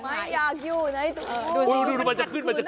ว๊ายอยากอยู่ไหนมันจะขึ้น๗๗